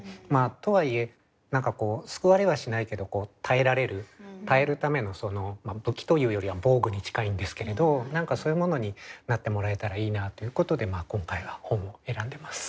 とはいえ何かこう救われはしないけど耐えられる耐えるためのまあ武器というよりは防具に近いんですけれど何かそういうものになってもらえたらいいなということで今回は本を選んでます。